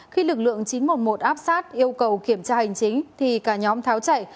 khi lực lượng chín trăm một mươi một áp sát yêu cầu kiểm tra hành chính thì cả nhóm tháo chạy